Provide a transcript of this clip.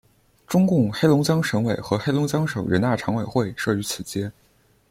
中共黑龙江省委和黑龙江省人大常委会设于此街。